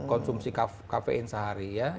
konsumsi kafein sehari ya